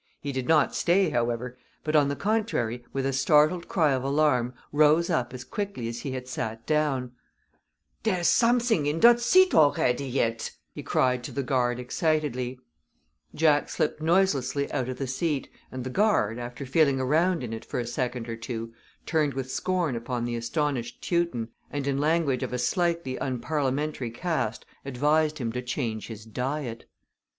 He did not stay, however, but on the contrary, with a startled cry of alarm, rose up as quickly as he had sat down. [Illustration: "DERE ISS SOMEDINGS IN DOT SEADT, ALRETTY YET!"] "Dere iss somedings in dot seadt, alretty yet!" he cried to the guard, excitedly. Jack slipped noiselessly out of the seat, and the guard, after feeling around in it for a second or two, turned with scorn upon the astonished Teuton, and in language of a slightly unparliamentary cast advised him to change his diet.